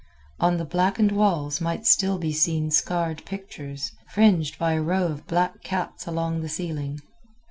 On the blackened walls might still be seen scarred pictures, fringed by a row of black cats along the ceiling.